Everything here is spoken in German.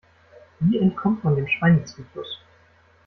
Wie entkommt man dem Schweinezyklus?